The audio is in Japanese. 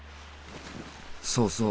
そうそう。